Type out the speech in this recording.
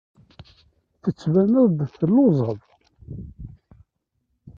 Tettbaneḍ-d telluẓeḍ.